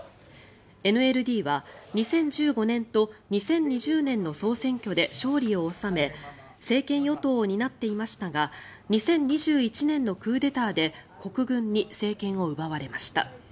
ＮＬＤは２０１５年と２０２０年の総選挙で勝利を収め政権与党を担っていましたが２０２１年のクーデターで国軍に政権を奪われました。